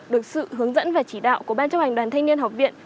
được sự hướng dẫn và chỉ đạo của ban chấp hành đoàn thanh niên học viện